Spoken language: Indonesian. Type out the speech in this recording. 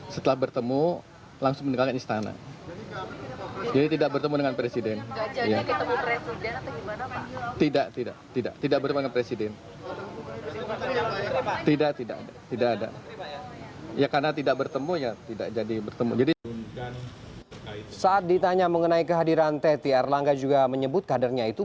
saat ditanya mengenai kehadiran teti erlangga juga menyebut kadernya itu